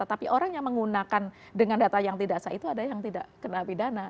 tapi orang yang menggunakan dengan data yang tidak sah itu ada yang tidak kena pidana